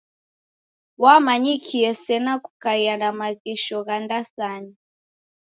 Wamanyikie sena kukaia na maghesho gha ndasanya.